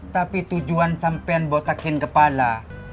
tapi tujuan sampe yang botakin kepala